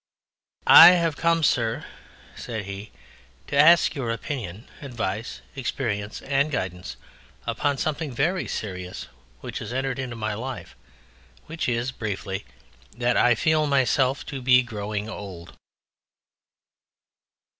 "I have come, Sir," said he, "to ask your opinion, advice, experience, and guidance upon something very serious which has entered into my life, which is, briefly, that I feel myself to be growing old."